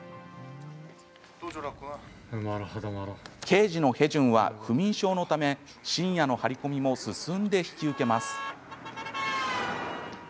刑事のヘジュンは不眠症のため深夜の張り込みも進んで引き受けます。